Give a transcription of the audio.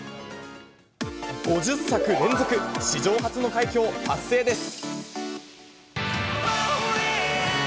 ５０作連続、史上初の快挙を達成です。